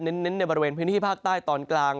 เน้นในบริเวณพื้นที่ภาคใต้ตอนกลาง